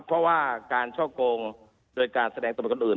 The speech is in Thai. เพราะว่าการช่อโกงโดยการแสดงตำรวจคนอื่น